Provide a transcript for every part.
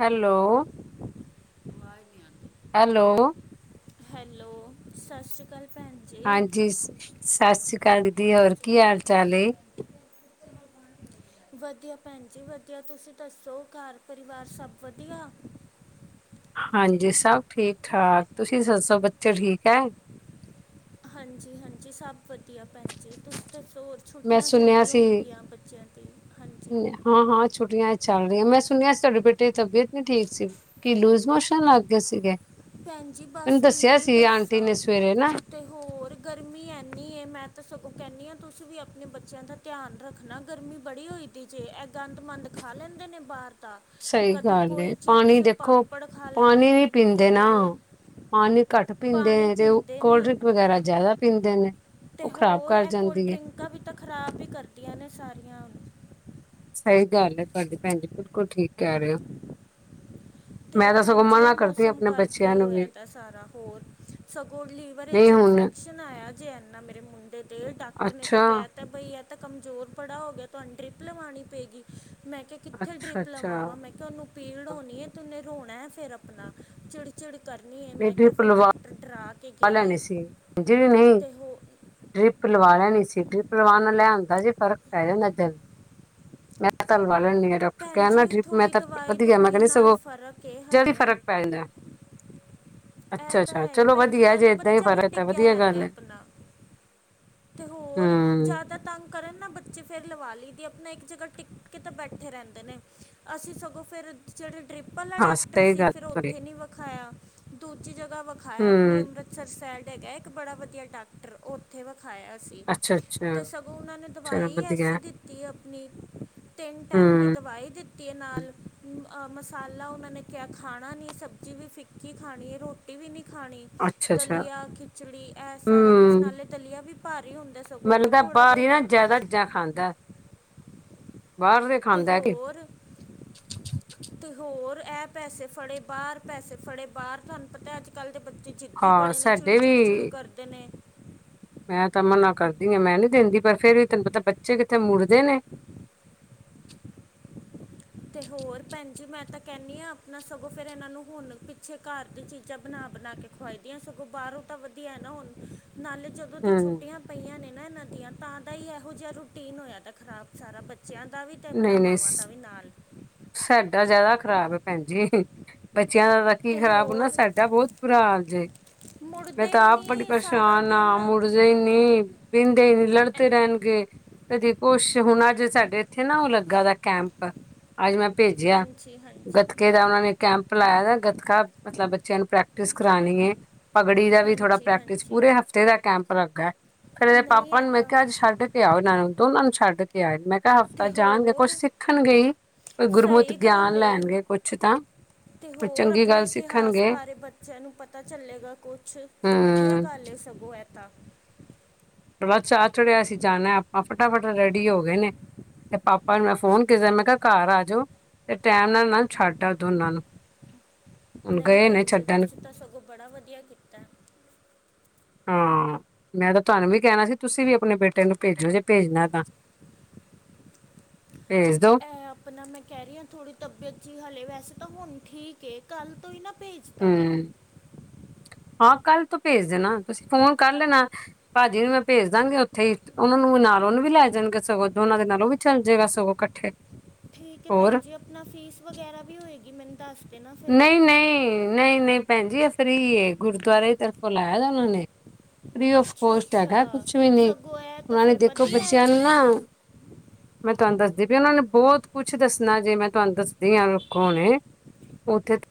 Hello. ਵਾਜ਼ ਨੀ ਆਣ ਹੈਲੋ ਦੀ, ਹੈਲੋ ਸਤਿ ਸ਼੍ਰੀ ਅਕਾਲ ਭੈ ਹਾਂਜੀ ਸਤਿ ਸ਼੍ਰੀ ਅਕਾਲ ਦੀ, ਹੋਰ ਕੀ ਹਾਲ-ਚਾਲ ਏ? ਵਧੀਆ ਭੈਣ ਜੀ ਵਧੀਆ, ਤੁਸੀਂ ਦੱਸੋ ਘਰ ਪਰਿਵਾਰ ਸਭ ਵਧੀਆ? ਹਾਂਜੀ ਸਭ ਠੀਕ-ਠਾਕ, ਤੁਸੀਂ ਦੱਸੋ ਬੱਚੇ ਠੀਕ ਐ? ਹਾਂਜੀ-ਹਾਂਜੀ ਸਭ ਵਧੀਆ ਭੈਣ ਜੀ, ਤੁਸੀਂ ਦੱਸੋ ਹੋ ਮੈਂ ਛੁੱਟੀਆਂ ਸੁਣਿਆ ਚੱਲਦੀਆਂ ਹੋਣਗੀਆਂ ਬੱਚਿਆਂ ਦੀ ਹਾਂਜੀ। ਹਾਂ-ਹਾਂ ਛੁੱਟੀਆਂ ਚੱਲ ਰਹੀਆਂ। ਮੈਂ ਸੁਣਿਆ ਤੁਹਾਡੇ ਬੇਟੇ ਦੀ ਤਬੀਅਤ ਨੀ ਠੀਕ ਸੀ। ਕੀ ਲੂਜ਼ ਮੋਸ਼ਨ ਲੱਗ ਗਏ ਸੀਗੇ, ਭੈਣ ਜੀ ਮੈਨੂੰ ਬਸ ਹੁਣ ਦੱਸਿਆ ਕੀ ਸੀ ਆਂਟੀ ਦੱਸਾਂ ਨੇ ਸਵੇਰੇ ਨਾ। ਤੇ ਹੋਰ ਗਰਮੀ ਐਨੀ ਏ, ਮੈਂ ਤਾਂ ਸਗੋਂ ਕਹਿੰਦੀ ਆ ਤੁਸੀਂ ਵੀ ਆਪਣੇ ਬੱਚਿਆਂ ਦਾ ਧਿਆਨ ਰੱਖਣਾ ਗਰਮੀ ਬੜੀ ਹੋਈ ਦੀ ਜੇ, ਐਹ ਗੰਦ-ਮੰੰਦ ਖਾ ਲੈਂਦੇ ਨੇ ਬਾਰ ਦਾ ਸਹੀ ਕਦੀ ਗੱਲ ਏ ਕੋਈ ਪਾਣੀ ਚਿਪਸ, ਦੇਖੋ ਪਾਪੜ ਖਾ ਲੈਂਦੇ ਪਾਣੀ ਨੀ ਨੇ। ਤੇ ਪੀਂਦੇ ਨਾ ਹੋਰ, ਪਾਣੀ ਘੱਟ ਪੀਂਦੇ ਪਾਣੀ ਨੇ ਤੇ ਪੀਂਦੇ ਕੋਲਡ ਨੀ। ਡਰਿੰਕ ਵਗੈਰਾ ਜ਼ਿਆਦਾ ਪੀਂਦੇ ਨੇ। ਤੇ ਉਹ ਖ਼ਰਾਬ ਹੋਰ ਕਰ ਐਹ ਜਾਂਦੀ ਹੈ ਕੋਲਡ-ਡਰਿੰਕਾਂ ਵੀ ਤਾਂ ਖ਼ਰਾਬ ਵੀ ਕਰਦੀਆਂ ਨੇ ਸਾਰੀਆਂ। ਸਹੀ ਗੱਲ ਐ ਤੁਹਾਡੀ ਭੈਣ ਜੀ, ਬਿਲਕੁਲ ਠੀਕ ਕਹਿ ਰਹੇ ਓ। ਤੇ ਭੈਣ ਜੀ ਐਹ ਮਨਾ ਕਰਦੀ ਮੌਸਮ ਆਪਣੇ ਕਰਕੇ ਬੱਚਿਆਂ ਹੀ ਨੂੰ ਵੀ ਹੋਇਆ ਦਾ ਸਾਰਾ ਹੋਰ, ਸਗੋਂ ਲੀਵਰ ਵਿੱਚ ਨਹੀਂ ਇਨਫੈ ਹੁਣ ਫੈਕਸ਼ਨ ਆਇਆ ਜੇ ਐਨਾ ਮੇਰੇ ਮੁੰਡੇ ਦੇ, ਡਾਕਟਰ ਨੇ ਤਾਂ ਅੱਛਾ ਕਹਿ ਤਾਂ ਬਈ ਐਹ ਤਾਂ ਕਮਜ਼ੋਰ ਬੜਾ ਹੋ ਗਿਆ, ਤੁਹਾਨੂੰ ਡਰਿਪ ਲਵਾਉਣੀ ਪਏਗੀ। ਮੈਂ ਕਿਹਾ ਕਿੱਥੇ ਅੱਛਾ ਡਰਿਪ ਅੱਛਾ ਲਵਾਵਾਂ। ਮੈਂ ਕਿਹਾ ਉਹਨੂੰ ਪੀੜ ਹੋਣੀ ਏ। ਉਹਨੇ ਰੋਣਾ ਫਿਰ ਆਪਣਾ ਚਿੜਚਿੜ ਕਰਨੀ ਏ। ਨਹੀਂ ਮੈਂ ਕਿਹਾ ਡਰਿਪ ਫਿਰ ਡਾਕਟਰ ਡਰਾ ਕੇ ਲਵਾ ਗਿਆ ਹੈ ਲੈਣੀ ਸੀ, ਜੀ ਨਹੀਂ ਅਤੇ ਹੋ ਡਰਿਪ ਲਵਾ ਲੈਣੀ ਸੀ। ਡਰਿਪ ਲਵਾਣ ਨਾਲ ਐਹ ਹੁੰਦਾ ਜੀ ਫਰਕ ਪੈ ਜਾਂਦਾ ਫੇਰ। ਮੈਂ ਤਾਂ ਲਵਾ ਲੈਣੀ ਆ ਡਾਕਟਰ ਭੈਣ ਕਹਿਣ ਨਾ ਜੀ ਡਰਿਪ ਮੈਂ ਥੋੜ੍ਹੀ ਤਾਂ ਦਵਾਈ ਵਧੀਆ ਮੈਂ ਦਵੂਈ ਕਹਿਣੀ ਨਾਲ ਸਗੋਂ ਫਰਕ ਹੈ ਜਲਦੀ ਹਾਲੇ ਫਰਕ ਪੈ ਜਾਂਦਾ, ਅੱਛਾ-ਅੱਛਾ ਚਲੋ ਵਧੀਆ। ਤੇ ਜੇ ਨਾਲੇ ਏਦਾਂ ਹੀ ਬੱਚਾ ਵੀ ਫ਼ਰਕ ਤਾਂ ਟਿਕਿਆ ਵਧੀਆ ਰਹਿੰਦਾ ਗੱਲ ਹੈ ਆਪਣਾ ਤੇ ਹੋਰ ਜ਼ਿਆ ਹੂੰ ਦਾ ਤੰਗ ਕਰਨ ਨਾ ਬੱਚੇ ਫੇਰ ਲਵਾ ਲਈ ਦੀ ਆਪਣਾ ਇੱਕ ਜਗ੍ਹਾ ਟਿਕ ਕੇ ਤਾਂ ਬੈਠੇ ਰਹਿੰਦੇ ਨੇ। ਅਸੀਂ ਸਗੋਂ ਫੇਰ ਜਿਹੜੇ ਡਰਿ ਪ ਆਲਾ ਹਾਂ ਡਾਕਟਰ ਸਹੀ ਸੀ ਗੱਲ ਫੇਰ ਤੁਹਾਡੀ ਉੱਥੇ ਨੀ ਵਿਖਾਇਆ, ਦੂਜੀ ਜਗ੍ਹਾ ਵਿਖਾਇਆ ਆਪਣੀ ਹੂੰ ਅੰਮ੍ਰਿਤ ਸਰ ਸੈਡ ਹੈਗਾ ਇੱਕ ਬੜਾ ਵਧੀਆ ਡਾਕਟਰ ਉੱਥੇ ਵਿਖਾਇਆ ਅਸੀ। ਅੱਛਾ ਅੱਛਾ ਤੇ ਸਗੋਂ ਉਹਨਾਂ ਨੇ ਚਲੋ ਦਵਾਈ ਵਧੀਆ ਐਸੀ ਦਿੱਤੀ ਆਪਣੀ ਤਿੰਨ ਟਾਈਮ ਦੀ ਹੂੰ ਦਵਾਈ ਦਿੱਤ ਤੀ ਨਾਲ ਮਸਾਲਾ ਉਹਨਾਂ ਨੇ ਕਿਹਾ ਖਾਣਾ ਨੀ, ਸਬਜ਼ੀ ਵੀ ਫਿੱਕ ਕੀ ਖਾਣੀ ਐ ਰੋਟੀ ਵੀ ਨੀ ਖਾਣੀ। ਅੱਛਾ ਅੱਛਾ ਦਲੀਆਂ, ਖਿੱਚੜੀ ਐਹ ਸਾਰਾ ਕੁਛ ਹਮ ਨਾਲੇ ਦਲੀਆਂ ਵੀ ਭਾਰੀ ਹੁੰਦਾ ਸ ਮੈਨੂੰ ਲੱਗਦਾ ਬਾਹਰਿਆ ਜ਼ਿਆਦਾ ਚੀਜ਼ਾਂ ਖਾਂਦਾ। ਬਾਹਰ ਦੇ ਤੇ ਖਾਂਦਾ ਕਿ ਹੋਰ। ਤੇ ਹੋਰ ਐਹ ਪੈਸੇ ਫੜੇ ਬਾਹਰ ਪੈਸੇ ਫੜੇ ਬਾਹਰ ਤੁਹਾਨੂੰ ਪਤਾ ਅੱਜ-ਕੱਲ੍ਹ ਦੇ ਬੱਚੇ ਜਿੰ ਦੀ ਹਾਂ ਬੜੇ ਨੇ ਚਿੜ ਸਾਡੇ ਵੀ ਚਿੜ ਚਿੜ ਕਰਦੇ ਨੇ। ਮੈਂ ਤਾਂ ਮਨ੍ਹਾਂ ਕਰਦੀ ਆ ਮੈਂ ਨੀ ਦਿੰਦੀ, ਪਰ ਫੇਰ ਵੀ ਤੈਨੂੰ ਪਤਾ ਬੱਚੇ ਕਿੱਥੇ ਮੁੜਦੇ ਨੇ। ਤੇ ਹੋਰ, ਭੈਣ ਜੀ ਮੈਂ ਤਾਂ ਕੈਹਣੀਂ ਹਾਂ, ਆਪਣਾ ਸਗੋਂ ਫੇਰ ਏਹਨਾਂ ਨੂੰ ਹੁਣ ਪਿੱਛੇ, ਘਰ ਦੀ ਚੀਜ਼ਾਂ ਬਣਾ-ਬਣਾ ਕੇ ਖਵਾਈ ਦੀਆਂ, ਸਗੋਂ ਬਾਰੋਂ ਤਾਂ ਵਧੀਆ ਨਾ ਹੁਣ, ਨਾਲੇ ਚ ਜਦੋਂ ਦੀ ਹਮ ਛੁੱਟੀਆਂ ਪਈਆਂ ਨੇ ਨਾ, ਏਹਨਾਂ ਦੀਆਂ ਤਾਂ ਦਾ ਹੀ ਇਹੋ ਜਿਹਾ ਰੂਟੀਨ ਹੋਇਆ, ਖਰਾਬ ਸਾਰਾ ਬੱਚਾ ਬੱਚੇਆਂ ਦਾ ਵੀ, ਅਤੇ ਆਪਣਾ ਨਹੀਂ ਨਹੀਂ ਮਾਵਾਂ ਦਾ ਵੀ ਨਾਲ। ਸਾਡਾ ਜਿਆਦਾ ਖ਼ਰਾਬ ਹੈ, ਭੈਣ ਜੀ ਏ। ਬੱਚੇਆਂ ਦਾ ਤਾਂ ਕੀ ਤੇ ਖ਼ਰਾਬ ਹੋਨਾ, ਹੋਰ ਸਾਡਾ ਬੋਤ ਬੁਰਾ ਹਾਲ ਏ। ਮੈਂ ਮੁੜਦੇ ਤਾਂ ਹੀ ਆਪ ਬੜੀ ਨਹੀਂ ਸਾਰਾ ਪ੍ਰੇਸਾ਼ਨ ਆ, ਦਿਨ ਮੁੜ ਐ- ਨਈ-ਨਈ ਪੀਂਦੇ ਨੀ, ਲੜਤੇ ਰੈਂਣਗੇ। ਕਦੀ ਕੁਛ, ਹੁਣ ਅੱਜ ਸਾਡੇ ਏਥੇ ਨਾ, ਐ ਲੱਗਾ ਦਾ ਕੈਂਪ। ਅੱਜ ਮੈਂ ਭੇਜਿਆ, ਹਾਂਜੀ ਹਾਂਜੀ ਗਤ ਕੇਹੜਾ ਓਨਾਂ ਨੇ ਕੈਂਪ ਲਾਇਆ, ਗਤਖਾ ਮਤਲਬ ਬੱਚੇਆਂ ਨੂੰ ਪ੍ਰੈਕਟਿਸ ਕਰਾਣੀ ਹੈ। ਪਗੜੀ ਦਾ ਵੀ ਥੋੜ੍ਹਾ ਹਾਂਜੀ ਪ੍ਰੈਕਟਿਸ, ਹਾਂਜੀ ਪੂਰੇ ਹਫ਼ਤੇ ਦਾ ਕੈਂਪ ਲੱਗਾ, ਫੇਰ ਇਦੇ ਨਹੀਂ ਪਾਪਾ ਇਹ ਨੂੰ ਮੈਂ ਤਾਂ ਕਿਹਾ, ਅੱਜ ਛੱਡ ਆ, ਦੋਨਾਂ ਨੂੰ ਛੱਡ ਕੇ ਆਏ, ਮੈਂ ਕਿਹਾ ਤੇ ਹਫ਼ਤਾ ਜਾਣਗੇ ਕੁਛ ਹੋਰ ਸਿੱਖਣਗੇ ਈ। ਈ, ਗੁਰਮੁਤ ਗਿਆਨ ਲੈਣਗੇ, ਕੁਛ ਤਾਂ। ਤੇ ਕੋਈ ਹੋਰ, ਚੰਗੀ ਆਪਣੇ ਗੱਲ ਇਤਿਹਾਸ ਸਿੱਖਣਗੇ ਬਾਰੇ ਬੱਚੇਆਂ ਨੂੰ ਪਤਾ ਚੱਲੇਗਾ ਕੁਛ। ਤੇ ਵਧੀਆ ਹੂੰ। ਗੱਲ ਏ, ਸਗੋਂ ਐ ਤਾਂ। ਐਨਾ ਚਾ ਚੜਿਆ ਐ, ਅਸੀ ਜਾਣਾ ਆਪਾਂ ਫਟਾਫਟ ਰੈਡੀ ਹੋ ਗਏ ਨੇ। ਤੇ ਪਾਪਾ ਨੂੰ ਮੈਂ ਫੋਨ ਕੀਤਾ, ਮੈਂ ਕਿਹਾ ਘਰ ਆਜੋ, ਤੇ ਟੈਮ ਨਾ ਏਨਾ ਨੂੰ ਛੱਡ ਆ, ਦੋਨਾਂ ਨੂੰ। ਹੁਣ ਨਹੀਂ ਗਏ ਨੇ ਭੈਣ ਜੀ, ਛੱਡਣ ਤੁਸੀਂ ਤਾਂ ਸਗੋਂ ਬੜਾ ਵਧੀਆ ਕੀਤਾ। ਹਾਂ, ਮੈਂ ਤਾਂ ਤੁਹਾਨੂੰ ਵੀ ਕੈਹਣਾ ਸੀ। ਤੁਸੀਂ ਵੀ ਆਪਣੇ ਬੇਟੇ ਨੂੰ ਭੇਜੋਜੇ ਭੇਜਣਾ ਤਾਂ, ਭੇਜ ਦੋ। ਇਹ ਆਪਣਾ ਮੈਂ ਕਹਿ ਰਹੀ ਹਾਂ, ਥੋੜ੍ਹੀ ਤਬੀਅਤ ਜੀ ਹਾਲੇ, ਵੈਸੇ ਤਾਂ ਹੁਣ ਠੀਕ ਏ, ਕੱਲ੍ਹ ਤੋ ਹੀ ਨਾ ਭੇਜਦਾਂ‌, ਮੈਂ ਹੂੰ ਹਾਂ, ਕੱਲ ਤੋਂ ਭੇਜ ਦੇਣਾ, ਤੁਸੀਂ ਫੋਨ ਕਰ ਲੈਣਾ। ਭਾਜੀ ਮੈਂ ਭੇਜ ਦਾਂਗੀ, ਉੱਥੇ ਹੀ ਓਨਾਂ ਨੂੰ ਨਾਲ ਉਹਨੂੰ ਵੀ ਲੈ ਜਾਣਗੇ, ਸਗੋਂ ਦੋਨਾਂ ਦੇ ਨਾਲੋਂ ਵੀ ਚੱਲ ਜੇਗਾ, ਸਗੋਂ [unintelligible] ਠੀਕ ਹੈ ਭੈਣ ਹੋਰ ਜੀ, ਆਪਣਾ ਫੀਸ ਵਗੈਰਾ ਵੀ ਹੋਏਗੀ, ਮੈਨੂੰ ਦੱਸ ਦੇਣਾ, ਫੇਰ। ਨਹੀਂ-ਨਹੀਂ ਭੈਣ ਜੀ, ਏਹ ਫਰੀ ਏ, ਗੁਰਦੁਆਰੇ ਦੀ ਤਰਫੋਂ ਲਾਇਐ, ਓਨਾਂ ਨੇ। ਫਰੀ ਔਫ ਅੱਛਾ ਕੋਸਟ ਅੱਛਾ ਹੈਗਾ, ਕੁਛ ਵੀ ਨੀ, ਸਗੋਂ ਇਹ ਤਾਂ ਓਨਾਂ ਨੇ ਫਿਰ ਦੇਖੋ ਵਧੀਆ ਹੈ ਬੱਚੇਆਂ ਨੂੰ ਨਾ ਮੈਂ ਤੁਹਾਨੂੰ ਦੱਸਦੀ ਵੀ, ਓਨਾਂ ਨੇ ਬੋਤ ਕੁਛ ਦੱਸਣਾ, ਜੇ ਮੈਂ ਤੁਹਾਨੂੰ ਦੱਸਦੀ ਆ, ਓ ਕੌਣ ਨੇ ਉੱਥੇ ਤਾਂ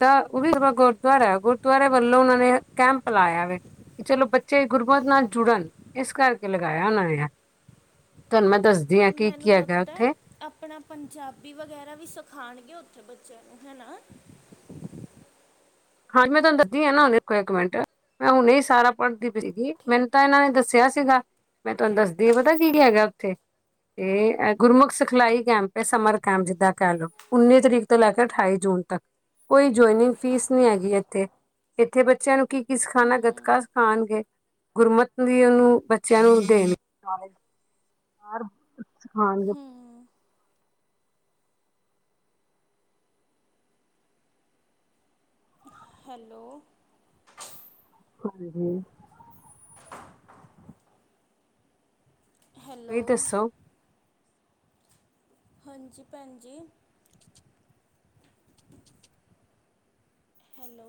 ਤਾਂ ਓ ਵੀ ਗੁਰਦੁਆਰਾ, ਗੁਰਦੁਆਰੇ ਵੱਲੋਂ ਓਨਾਂ ਨੇ ਕੈਂਪ ਲਾਇਆ ਵ ਕਿ ਚਲੋ, ਬੱਚੇ ਗੁਰਮਤ ਨਾਲ ਜੁੜਨ ਏਸ ਕਰਕੇ ਲਗਾਇਆ ਓਨਾਂ ਨੇ। ਤੁਹਾਨੂੰ ਮੈਂ ਦੱਸਦੀ ਹਾਂ, ਕੀ-ਕੀ ਮੈਨੂੰ ਹੈਗਾ, ਲੱਗਦਾ ਹੈ ਉੱਥੇ ਆਪਣਾ ਪੰਜਾਬੀ ਵਗੈਰਾ ਵੀ ਸਿਖਾਣਗੇ, ਉੱਥੇ ਬੱਚੇਆਂ ਨੂੰ ਹੈਨਾ। ਹਾਂਜੀ, ਮੈਂ ਤੁਹਾਨੂੰ ਦੱਸਦੀ ਆ, ਨਾ ਹੁਣੇ ਇੱਕ ਮਿੰਟ, ਮੈਂ ਹੁਣੇ ਈ ਸਾਰਾ ਪੜ੍ਹਦੀ ਪਈ ਸੀ, ਮੈਨੂੰ ਤਾਂ ਠੀਕ ਹੈ ਏਨਾਂ ਠੀਕ ਨੇ ਦੱਸਿਆ ਸੀਗਾ। ਮੈਂ ਤੁਹਾਨੂੰ ਦੱਸਦੀ ਆ, ਪਤਾ ਕੀ-ਕੀ ਹੈਗਾ, ਓਥੇ ਏ ਗੁਰਮੱਖ ਸਿਖਲਾਈ ਕੈਂਪ। ਸਮਰ ਕੈਂਪ ਜਿੱਦਾਂ ਕੈਹਲੋ, ਉਨੀ ਤਰੀਕ ਤੋਂ ਲੈ ਕੇ ਅਠਾਈ ਜੂਨ ਤੱਕ, ਕੋਈ ਜੁਆਇਨਿੰਗ ਫੀਸ ਨੀ ਹੈਗੀ ਏਥੇ, ਏਥੇ ਬੱਚੇਆਂ ਨੂੰ ਕੀ-ਕੀ ਸਿਖਾਣਾ, ਗਤਕਾ ਹੂੰ ਸਿਖਾਂਣਗੇ। ਗੁਰਮੱਤ ਦੀ ਓਨੂੰ, ਬੱਚੇਆਂ ਨੂੰ ਦੇਣ ਬਾਰ ਕੁਛ ਖਾਂਣਗੇ। ਹੂੰ ਹੈਲੋ। [inaudible] ਹੈਲੋ। ਦੱਸੋ ਹਾਂਜੀ, ਭੈਣ ਜੀ। ਹੈਲੋ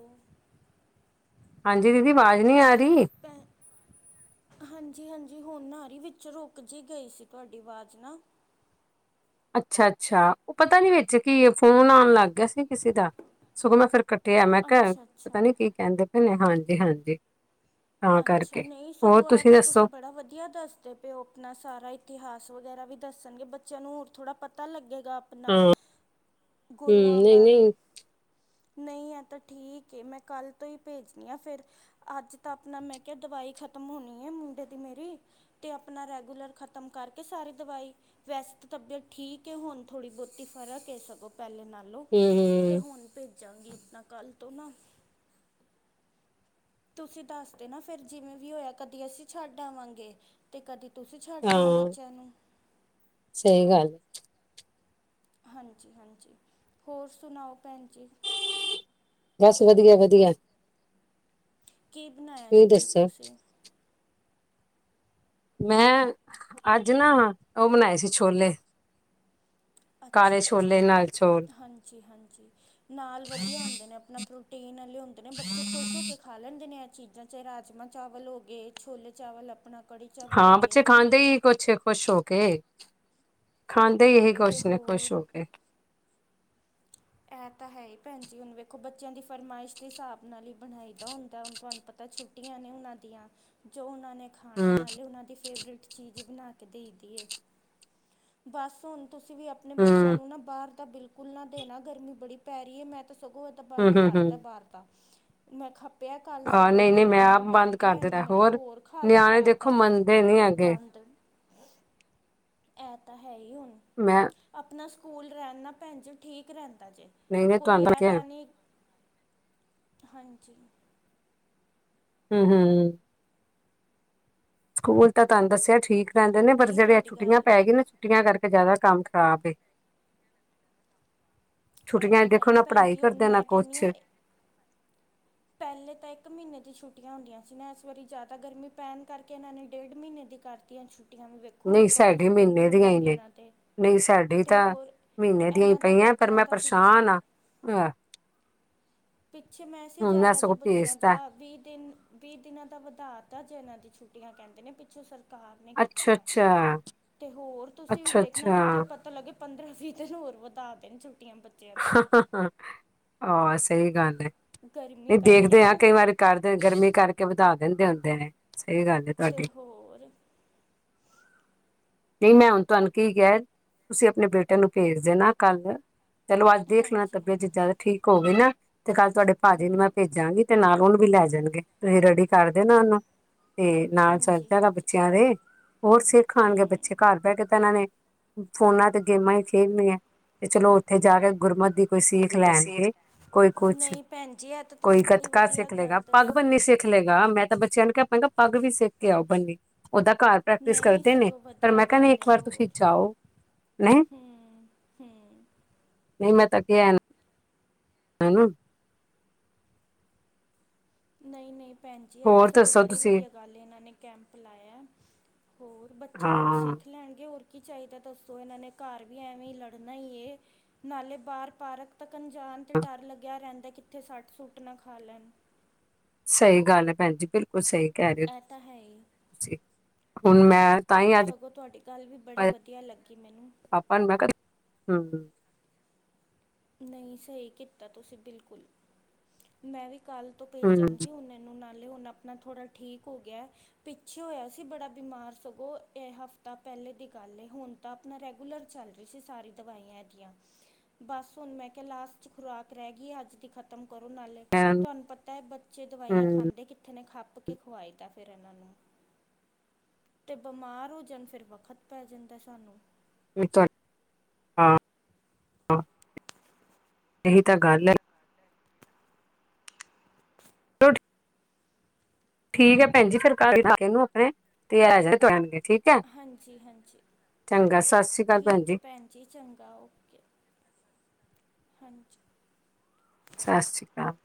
ਹਾਂਜੀ ਦੀਦੀ ਆਵਾਜ਼ ਨੀ ਆ ਰਹੀ। [unintelligible] ਹਾਂਜੀ -ਹਾਂਜੀ ਹੁਣ ਆ ਰਹੀ ਵਿੱਚ ਰੁਕ ਜ ਗਈ ਸੀ ਤੁਹਾਡੀ ਆਵਾਜ਼ ਨਾ। ਅੱਛਾ- ਅੱਛਾ ਉਹ ਪਤਾ ਨੀ ਵਿੱਚ ਕੀ ਫੋਨ ਆਉਣ ਲੱਗ ਗਿਆ ਸੀ ਕਿਸੇ ਦਾ, ਸਗੋਂ ਮੈਂ ਫਿਰ ਕੱਟਿਆ ਤੇ ਮੈਂ ਕਿਹਾ ਅੱਛਾ ਪਤਾ ਅੱਛਾ ਨੀ ਕੀ ਕਹਿੰਦੇ ਪਏ ਨੇ ਹਾਂਜੀ- ਹਾਂਜੀ। ਤਾਂ ਅੱਛਾ ਕਰਕੇ ਨਹੀਂ ਹੋਰ ਸਗੋਂ ਐ ਤਾਂ ਦੱਸੋ ਤੁਸੀਂ ਬੜਾ ਵਧੀਆ ਦੱਸ ਅਤੇ ਉਹ ਆਪਣਾ ਸਾਰਾ ਇਤਿਹਾਸ ਵਗੈਰਾ ਵੀ ਦੱਸਣਗੇ, ਬੱਚਿਆਂ ਨੂੰ ਹੋਰ ਥੋੜ੍ਹਾ ਪਤਾ ਲੱਗੇਗਾ। ਹਾਂ ਆਪਣਾ ਹਮ ਗੁਰੂਆਂ ਨਹੀਂ ਬਾਰੇ। ਨਹੀਂ ਨਹੀਂ ਆ ਤਾਂ ਠੀਕ ਏ, ਮੈਂ ਕੱਲ੍ਹ ਤੋਂ ਹੀ ਭੇਜਣੀ ਆ ਫਿਰ। ਅੱਜ ਤਾਂ ਆਪਣਾ ਮੈਂ ਕਿਹਾ ਦਵਾਈ ਖਤਮ ਹੋਣੀ ਹੈ, ਮੁੰਡੇ ਦੀ ਮੇਰੀ। ਅਤੇ ਆਪਣਾ ਰੈਗੂਲਰ ਖ਼ਤਮ ਕਰਕੇ ਸਾਰੀ ਦਵਾਈ ਵੈਸ ਤਬੀਅਤ ਠੀਕ ਹੈ ਹੁਣ ਥੋੜ੍ਹੀ ਬਹੁਤੀ, ਫਰਕ ਹੈ ਸਗੋਂ। ਪਹਿਲੇ ਨਾਲਓ ਤੇ ਹੂੰ-ਹੂੰ, ਹੁਣ ਭੇਜਾਂਗੀ ਇਨਾ ਕੱਲ ਤੋਂ ਨਾ ਤੁਸੀਂ ਦੱਸਦੇ ਨਾ ਫਿਰ ਜਿਵੇਂ ਵੀ ਹੋਇਆ ਕਦੀ ਅਸੀਂ ਛੱਡ ਆਵਾਂਗੇ। ਅਤੇ ਕਦੇ ਤੁਸੀਂ ਛੱਡ ਆਣਾ ਹਾਂ ਬੱਚਿਆਂ ਨੂੰ ਸਹੀ ਗੱਲ ਹੈ। ਹਾਂਜੀ -ਹਾਂਜੀ, ਹੋਰ ਸੁਣਾਓ ਭੈਣ ਜੀ। ਬਸ ਵਧੀਆ ਵਧੀਆ। ਕੀ ਬਣਾਇਆ ਸੀ ਤੁਸੀਂ ਫਿਰ ਦੱਸੋ? ਤੁਸੀਂ ਮੈਂ ਅੱਜ ਨਾ ਉਹ ਬਣਾਏ ਸੀ ਛੋਲੇ ਕਾਲੇ ਅੱਛਾ- ਅੱਛਾ ਛੋਲੇ ਨਾਲ ਚੋਲ ਹਾਂਜੀ -ਹਾਂਜੀ ਨਾਲ ਵਧੀਆ ਹੁੰਦੇ ਨੇ ਆਪਣਾ ਪ੍ਰੋਟੀਨ ਵਾਲੇ ਹੁੰਦੇ ਨੇ ਬੱਚੇ ਖੁਸ਼ ਹੋ ਕੇ ਖਾ ਲੈਂਦੇ ਨੇ ਇਹ ਚੀਜ਼ਾਂ। ਚਾਹੇ ਰਾਜਮਾਂ ਚਾਵਲ ਹੋ ਗਏ, ਛੋਲੇ ਚਾਵਲ ਆਪਣਾ ਕੜੀ ਚਾਵਲ ਹਾਂ ਹੋ ਗਏ ਬੱਚੇ ਹੈ ਨਾ ਖਾਂਦੇ ਈ ਨੀ ਕੁਛ ਖੁਸ਼ ਹੋ ਕੇ ਖਾਂਦੇ ਇਹੀ ਅਤੇ ਖੁਸ਼ ਨੇ ਹੋਰ ਖ਼ੁਸ਼ ਹੋ ਕੇ ਇਹ ਤਾਂ ਹੈ ਹੀ ਭੈਣ ਜੀ ਹੁਣ ਵੇਖੋ ਬੱਚਿਆਂ ਦੀ ਫਰਮਾਇਸ਼ ਦੇ ਹਿਸਾਬ ਨਾਲ ਹੀ ਬਣਾਈ ਦਾ ਹੁੰਦਾ ਹੁਣ ਤੁਹਾਨੂੰ ਪਤਾ ਤਾਂ ਛੁੱਟੀਆਂ ਨੇ ਉਹਨਾਂ ਦੀਆਂ ਜੋ ਉਹਨਾਂ ਨੇ ਖਾਣਾ ਹੂੰ-ਹੂੰ, ਨਾਲੇ ਉਹਨਾਂ ਦੀ ਫੇਵਰੇਟ ਚੀਜ਼ ਹੀ ਬਣਾ ਕੇ ਦਈ ਦੀ ਏ, ਬਸ ਹੁਣ ਤੁਸੀਂ ਵੀ ਆਪਣੇ ਬੱਚਿਆਂ ਨੂੰ ਨਾ ਬਾਹਰ ਤਾਂ ਬਿਲਕੁਲ ਨਾ ਦੇਣਾ, ਗਰਮੀ ਬੜੀ ਪੈ ਰਹੀ ਹੈ ਮੈਂ ਤਾਂ ਸਗੋਂ ਬੰਦ ਕਰਤਾ ਹੂੰ-ਹੂੰ-ਹੂੰ ਬਾਹਰ ਦਾ। ਮੈਂ ਖੱਪਿਆ ਕੱਲ੍ਹ ਆਹ ਸਗੋਂ ਨਹੀਂ-ਨਹੀਂ ਇੰਨੀ ਮੈਂ ਇੰਨਾ ਆਪ ਬੰਦ ਕਰ ਡਾਂਟਿਆ ਇਹਨੂੰ ਦਿੱਤਾ ਮੈਂ ਕਿਹਾ ਹੋਰ ਖਾ ਲਿਆ ਨਿਆਣੇ ਦੇ ਬਾਹਰ। ਦੇਖੋ ਦਾ ਗੱਲ ਮੰਨਦੇ ਨੀ ਹੈਗੇ ਗੰਦ। [inaudible] ਇਹ ਤਾਂ ਹੈ ਹੀ ਹੁਣ, ਮੈਂ ਆਪਣਾ ਸਕੂਲ ਰਹਿਣ ਨਾ ਭੈਣ ਜੇ ਠੀਕ ਰਹਿੰਦਾ ਜੇ ਨਹੀਂ-ਨਹੀਂ ਕੋਈ ਤੁਹਾਨੂੰ ਇਹ ਕਿਹਾ ਤਾਂ ਨਹੀਂ, ਹਾਂਜੀ। ਹੂੰ ਹੂੰ ਸਕੂਲ ਤਾਂ ਤੁਹਾਨੂੰ ਦੱਸਿਆ ਠੀਕ ਰਹਿੰਦੇ ਨੇ, ਪਰ ਨਹੀਂ ਜਿਹੜੇ ਤੁਹਾਡੀ ਛੁੱਟੀਆਂ ਗੱਲ ਪ ਗਈ ਨਾ ਛੁੱਟੀਆਂ ਕਰਕੇ ਜ਼ਿਆਦਾ ਕੰਮ ਖ਼ਰਾਬ ਏ ਇਹ ਛੁੱਟੀਆਂ ਤਾਂ ਹੈ ਦੇਖੋ ਹੀ ਨਾ ਭੈਣ ਪੜ੍ਹਾਈ ਜੀ ਹੁਣ ਕਰਦੇ ਨਾ ਮੈਂ ਕਹਿੰਦੀ ਕੁਛ। ਹਾਂ ਪਹਿਲੇ ਤਾਂ ਇੱਕ ਮਹੀਨੇ ਦੀ ਛੁੱਟੀਆਂ ਹੁੰਦੀਆਂ ਸੀ ਨਾ ਇਸ ਵਾਰੀ ਜ਼ਿਆਦਾ ਗਰਮੀ ਪੈਣ ਕਰਕੇ ਇਹਨਾਂ ਨੇ ਡੇਢ ਮਹੀਨੇ ਦੀ ਕਰ। ਤੀਆਂ ਛੁੱਟੀਆਂ ਵੀ ਵੇਖੋ ਨਹੀਂ ਹੁਣ ਕਦੋਂ ਸਾਡੇ ਸਕੂਲ ਮਹੀਨੇ ਦੀਆ ਈ ਖੋਲ੍ਹਣਗੇ ਨੇ। ਇਹਨਾਂ ਦੇ ਨਹੀਂ ਸਾਡੀ ਅਤੇ ਤਾਂ ਹੋਰ ਮਹੀਨੇ ਦੀਆਂ ਹੀ ਇਹਨਾਂ ਦਾ ਪਈਆਂ, ਪਰ ਬੱਚਿਆਂ ਮੈਂ ਦਾ ਪਿੱਛੇ ਪਰੇਸ਼ਾਨ ਹਾਂ। ਆਹ। ਪਿੱਛੇ ਮੈਸੀੇਜ ਇਆ ਜੇ ਬੱਚਿਆਂ ਦਾ ਵੀਹ ਦਿਨ ਵੀਹ ਦਿਨਾਂ ਦਾ ਵਧਾ ਤਾ ਜੇ ਇਹਨਾਂ ਦੀ ਛੁੱਟੀਆਂ ਕਹਿੰਦੇ ਨੇ ਪਿੱਛੋਂ ਸਰ ਸਰਕਾਰ ਨੇ ਕੀਤਾ ਅੱਛਾ ਹੈ, ਅੱਛਾ ਤੇ ਹੋਰ ਤੁਸੀਂ ਵੀ ਅੱਛਾ ਵੇਖਣਾ ਕਿੱਥੇ ਅੱਛਾ ਪਤਾ ਲੱਗੇ। ਪੰਦਰਾਂ- ਵੀਹ ਦਿਨ ਹੋਰ ਵੱਧਾ ਦੇ ਨੇ ਛੁਟੀਆਂ ਬੱਚਿਆਂ। ਦੀਆਂ ਹਹ ਆ ਸਹੀ ਗੱਲ ਹੈ ਗਰਮੀ ਨਹੀਂ ਕਰਕੇ ਦੇਖਦੇ ਨਾ ਆ ਕਈ ਵਾਰੀ ਕਰਦੇ ਗਰਮੀ ਕਰਕੇ ਵਧਾ ਦਿੰਦੇ ਹੁੰਦੇ ਨੇ ਸਹੀ ਗੱਲ ਏ। ਤੇ ਹੋਰ? ਨਹੀਂ ਮੈਂ ਹੁਣ ਤੁਹਾਨੂੰ ਕੀ ਕਿਹਾ ਤੁਸੀਂ ਆਪਣੇ ਬੇਟੇ ਨੂੰ ਭੇਜ ਦੇਣਾ ਕੱਲ। ਚਲੋ ਅੱਜ ਦੇਖ ਲੈਣਾ ਹਾਂਜੀ ਤਬੀਅਤ ਜੇ ਜ਼ਿਆਦਾ ਹਾਂਜੀ ਠੀਕ ਹੋਵੇ ਨਾ। ਤੇ ਕੱਲ ਤੁਹਾਡੇ ਭਾਜੀ ਨੂੰ ਮੈਂ ਹੂੰ ਭੇਜਾਂਗੀ ਤੇ ਨਾਲ ਉਹਨੂੰ ਵੀ ਲੈ ਜਾਣਗੇ ਤੁਸੀਂ ਰੈਡੀ ਕਰ ਦਿਓ ਨਾ ਉਹਨੂੰ। ਤੇ ਨਾਲ ਹਾਂਜੀ ਚੱਲਦਾ ਗਾ ਹਾਂਜੀ ਬੱਚਿਆਂ ਦੇ ਹੋਰ ਸਿੱਖ ਆਉਣਗੇ ਬੱਚ- ਹੂੰ ਘਰ ਬਹਿ ਕੇ ਤਾਂ ਇਹਨਾਂ ਨੇ ਫੋਨਾਂ ਤੇ ਗੇਮਾਂ ਹੀ ਖੇਡਣੀਆਂ ਤੇ ਚਲੋ ਉੱਥੇ ਜਾ ਕੇ ਗੁਰਮਤ ਦੀ ਕੋਈ ਸਿੱਖ ਦੀ ਕੋਈ ਸੀਖ ਲੈਣਗੇ। ਕੋਈ ਕੁਛ, ਨਹੀਂ ਭੈਣ ਜੀ ਇਹ ਤਾਂ ਕੋਈ ਤੁਸੀਂ ਬੜੀ ਗੱਤਕਾ ਵਧੀਆ ਸਿੱਖ ਲਏਗਾ, ਗੱਲ ਪੱਗ ਬੰਨੀ ਦੱਸੀ ਨੀ ਹੈ। ਸਿੱਖ, ਸਿਖਲੇਗਾ ਮੈਂ ਤਾਂ ਬੱਚਿਆਂ ਨੂੰ ਕਹਿ ਪਏਗਾ ਪੱਗ ਵੀ ਸਿੱਖ ਕੇ ਆਓ ਬੰਨੀ ਉਹਦਾ ਘਰ, ਪ੍ਰੈਕਟਿਸ ਨਹੀ ਕਰਦੇ ਨੇ ਸਗੋਂ ਬਧ- ਪਰ ਮੈਂ ਕਹਿੰਦੀ ਇੱਕ ਵਾਰ ਤੁਸੀਂ ਜਾਓ ਨਹੀਂ। ਹੂੰ ਹੂੰ। ਨਹੀਂ ਮੈਂ ਤਾਂ ਕਿਹਾ ਏਹਨੂੰ। ਹੈਨਾ। ਨਹੀਂ- ਨਹੀਂ ਭੈਣ ਜੀ ਇਹ ਤਾਂ ਹੋਰ ਸਗੋਂ ਦੱਸੋ ਬੜੀ ਤੁਸੀਂ ਵਧੀਆ ਗੱਲ ਐ ਇਹਨਾਂ ਨੇ ਕੈਂਪ ਲਾਇਆ। ਹੋਰ ਬੱਚੇ ਕੁੱਛ ਹਾਂ ਸਿੱਖ ਲੈਣਗੇ, ਹੋਰ। ਕੀ ਚਾਹੀਦਾ ਦੱਸੋ ਇਹਨਾਂ ਨੇ ਘਰ ਵੀ ਐਵੇਂ ਹੀ ਲੜਨਾ ਹੀ ਏ ਨਾਲੇ ਬਾਹਰ ਪਾਰਕ- ਤੱਕਣ ਜਾਣ 'ਤੇ ਡਰ ਲੱਗਿਆ ਰਹਿੰਦਾ ਕਿੱਥੇ ਸੱਟ- ਸੂੱਟ ਨਾ ਖਾ ਲੈਣ। ਸਹੀ ਗੱਲ ਹੈ ਭੈਣ ਜੀ, ਬਿਲਕੁਲ ਸਹੀ ਕਹਿ ਰਹੇ ਹੋ ਇਹ ਤਾਂ ਹੈ ਹੀ ਤੁਸੀਂ, ਹੁਣ ਮੈਂ ਤਾਂ ਹੀ ਅੱਜ ਸਗੋਂ ਤੁਹਾਡੀ ਗੱਲ ਵੀ ਬੜੀ ਵਧੀਆ ਲੱਗੀ ਮੈਨੂੰ, ਪਾਪਾ ਨੂੰ ਮੈਂ ਕਿਹਾ, ਹੂੰ-ਹੂੰ ਨਹੀਂ ਸਹੀ ਕੀਤਾ ਤੁਸੀਂ ਬਿਲਕੁਲ, ਮੈਂ ਵੀ ਕੱਲ ਤੋਂ ਹੂੰ ਭੇਜਾਂਗੀ ਉਹਨੇ ਨੂੰ ਨਾਲੇ ਉ ਹੁਣ ਆਪਣਾ ਥੋੜਾ ਠੀਕ ਹੋ ਗਿਆ। ਪਿੱਛੇ ਹੋਇਆ ਸੀ ਬੜਾ ਬਿਮਾਰ ਸਗੋਂ ਇਹ ਹਫ਼ਤਾ ਪਹਿਲੇ ਦੀ ਗੱਲ ਐ, ਹੁਣ। ਤਾਂ ਆਪਣਾ ਰੈਗੂਲਰ ਚੱਲ ਰਹੀ ਸੀ ਸਾਰੀ ਦਵਾਈਆਂ ਇਹਦੀਆਂ, ਬਸ। ਹੁਣ ਮੈਂ ਕਿਹਾ ਲਾਸਟ ਚ ਖੁਰਾਕ ਰਹਿ ਗਈ ਅੱਜ ਦੀ ਖਤਮ ਕਰੋ ਨਾਲੇ। ਮੈਂ ਹੂੰ ਤੁਹਾਨੂੰ ਪਤਾ ਹੈ ਬੱਚੇ ਦਵਾਈਆਂ ਖਾਂਦੇ ਕਿੱਥੇ ਨੇ, ਖੱਪ ਕੇ ਖਵਾਏ ਦਾ ਫੇਰ ਇਹਨਾਂ ਨੂੰ। ਤੇ ਬਿਮਾਰ ਹੋ ਜਾਣ ਫੇਰ ਵਕਤ ਪੈ ਜਾਂਦਾ ਸਾਨੂੰ। ਹਾਂਾਂ ਇਹੀ ਤਾਂ ਗੱਲ ਐ। [unintelligible] ਠੀਕ ਹੈ ਭੈਣ ਜੀ ਫੇਰ ਕਲ ਕਾਕੇ ਨੂੰ ਆਪਣੇ ਤੇ ਐ ਆਣਗੇ ਟੈਮ ਤੇ ਠੀਕ। ਠੀਕ ਹੈ ਹਾਂਜੀ ਹਾਂਜੀ ਚੰਗਾ ਸਤਿ ਸ੍ਰੀ ਅਕਾਲ ਭੈਣ ਠੀਕ ਹੈ ਜੀ ਭੈਣ ਜੀ ਚੰਗਾ ਓਕੇ, ਹਾਂਜੀ। ਸਤਿ ਸ਼੍ਰੀ ਅਕਾਲ।